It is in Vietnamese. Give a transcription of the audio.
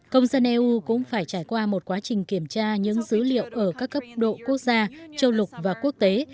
công dân eu cũng phải trải qua một quá trình kiểm tra những dữ liệu ở các cấp độ quốc gia châu lục và quốc tế